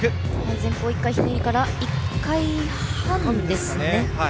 前方１回ひねりから１回半ですね。